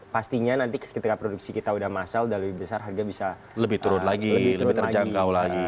pastinya nanti ketika produksi kita udah masal udah lebih besar harga bisa lebih turun lagi lebih terjangkau lagi